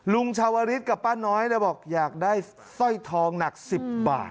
ลุงชาวริสกับป้าน้อยบอกอยากได้สร้อยทองหนัก๑๐บาท